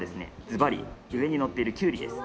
ずばり上にのっているキュウリです。